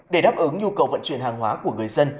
để đáp ứng nhu cầu vận chuyển hàng hóa của người dân